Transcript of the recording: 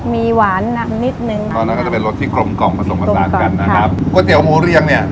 มีหวานหนักนิดนึงตอนนั้นก็จะเป็นรสที่กลมกล่อมผสมผสานกันนะครับก๋วยเตี๋ยหมูเรียงเนี้ย